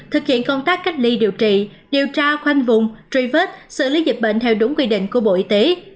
thực hiện công tác cách ly điều trị điều tra khoanh vùng truy vết xử lý dịch bệnh theo đúng quy định của bộ y tế